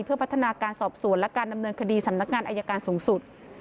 เพื่อพัฒนาการสอบสวนและการดำเนินคดีสำนักงานอายการสูงสุด